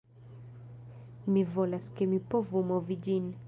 Mi volas, ke mi povu movi ĝin